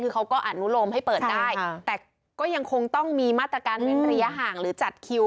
คือเขาก็อนุโลมให้เปิดได้แต่ก็ยังคงต้องมีมาตรการเว้นระยะห่างหรือจัดคิว